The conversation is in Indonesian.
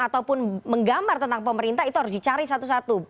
ataupun menggambar tentang pemerintah itu harus dicari satu satu